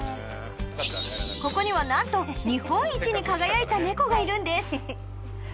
ここにはなんと日本一に輝いた猫がいるんです